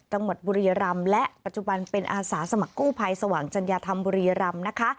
ต่างหมดบุรีรรมและปัจจุบันเป็นอาสาสมกู้ภัยสว่างจันยธรรมบุรีรรมนะคะ